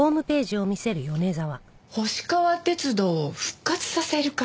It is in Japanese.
「星川鐵道を復活させる会」